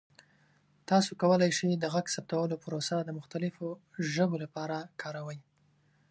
تاسو کولی شئ د غږ ثبتولو پروسه د مختلفو ژبو لپاره کاروئ.